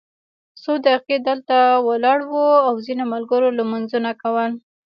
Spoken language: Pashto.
څو دقیقې دلته ولاړ وو او ځینو ملګرو لمونځونه کول.